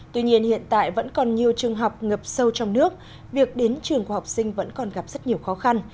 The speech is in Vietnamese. tuy nhiên hiện tại vẫn còn nhiều trường học ngập sâu trong nước việc đến trường của học sinh vẫn còn gặp rất nhiều khó khăn